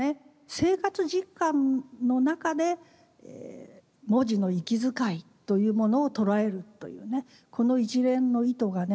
生活実感の中で文字の息遣いというものを捉えるというねこの一連の意図がね